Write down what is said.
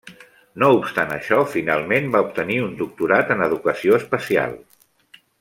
No obstant això, finalment va obtenir un doctorat en Educació Especial.